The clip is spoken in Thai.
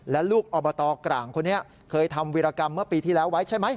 และลูกอบตกร่างคนนี้เคยทำวิรากรรมเมื่อปีที่แล้วไว้ใช่ไหม